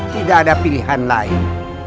tidak ada pilihan lain